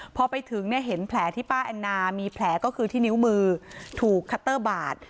พอไปถึงเนี่ยเห็นแผลที่ป้าแอนนามีแผลก็คือที่นิ้วมือถูกคัตเตอร์บาด